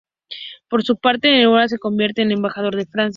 Por su parte Neruda se convierte en embajador en Francia.